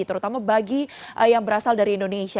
terutama bagi yang berasal dari indonesia